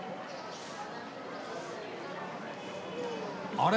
あれ？